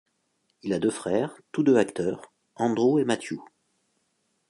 Il a deux frères, tous deux acteurs, Andrew et Matthew.